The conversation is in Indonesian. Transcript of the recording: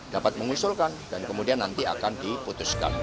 dapat mengusulkan dan kemudian nanti akan diputuskan